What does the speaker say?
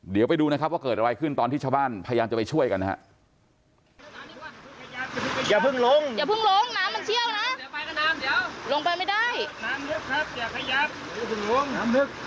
เดี๋ยวไปดูนะครับว่าเกิดอะไรขึ้นตอนที่ชาวบ้านพยายามจะไปช่วยกันนะครับ